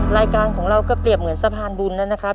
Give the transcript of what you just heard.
รายการของเราก็เปรียบเหมือนสะพานบุญแล้วนะครับ